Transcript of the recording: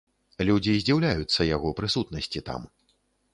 Людзі здзіўляюцца яго прысутнасці там.